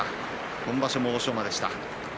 今場所も欧勝馬でした。